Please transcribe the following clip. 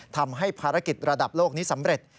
ทำให้ภารกิจระดับโลกนี้สำเร็จ